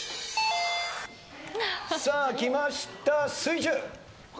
きました水１０！